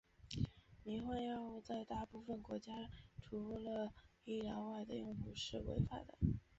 迷幻药物在大部分国家除了医疗外的用途是违法的。